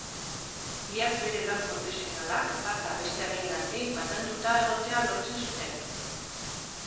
Biak bere lan profesionalak bata bestearengandik bananduta egotea lortzen zuten.